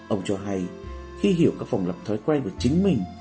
ông cho hay khi hiểu các phòng lập thói quen của chính mình